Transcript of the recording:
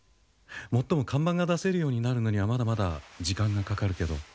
もっとも看板が出せるようになるのにはまだまだ時間がかかるけど。